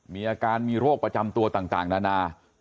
มีอาการมีโรคประจำตัวต่างนานา